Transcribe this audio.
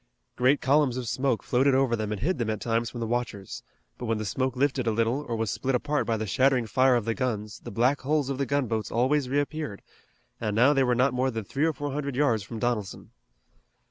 Great columns of smoke floated over them and hid them at times from the watchers, but when the smoke lifted a little or was split apart by the shattering fire of the guns the black hulls of the gunboats always reappeared, and now they were not more than three or four hundred yards from Donelson.